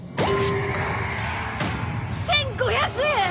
１５００円！？